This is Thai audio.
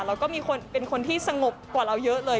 แล้วก็มีคนเป็นคนที่สงบกว่าเราเยอะเลย